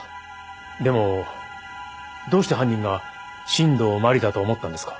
でもどうして犯人が新道真理だと思ったんですか？